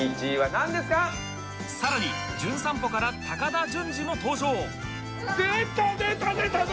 更に『じゅん散歩』から高田純次も登場